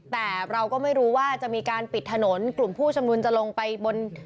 แต่เราก็ไม่รู้ว่าจะมีการปิดถนนกลุ่มผู้ชมนุมจะลงไปบน